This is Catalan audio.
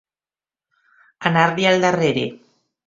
Anar-li al darrere.